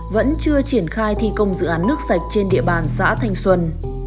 vẫn chưa triển khai thi công dự án nước sạch trên địa bàn xã thanh xuân